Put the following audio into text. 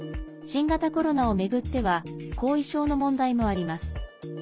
新型コロナを巡っては後遺症の問題もあります。